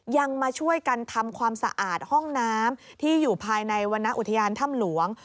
มาช่วยกันทำความสะอาดห้องน้ำที่อยู่ภายในวรรณอุทยานถ้ำหลวง